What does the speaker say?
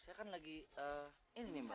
saya kan lagi ini nih mbak